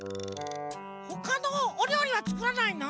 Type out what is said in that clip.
ほかのおりょうりはつくらないの？